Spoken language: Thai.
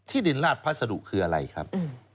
ที่ดินราชพระสรุคืออะไรครับ